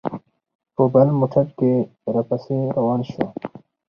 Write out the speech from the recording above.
په بل موټر کې را پسې روان شو.